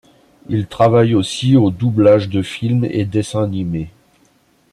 Il travaille aussi au doublage de films et dessins animés.